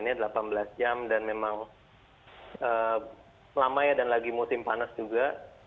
ini delapan belas jam dan memang lama ya dan lagi musim panas juga